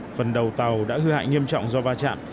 phần đầu tàu đã hư hại nghiêm trọng do va chạm